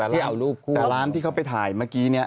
แต่ร้านที่เขาไปถ่ายเมื่อกี้นี้